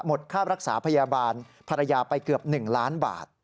ค่ารักษาพยาบาลภรรยาไปเกือบ๑ล้านบาท